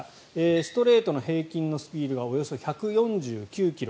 ストレートの平均のスピードがおよそ１４９ｋｍ。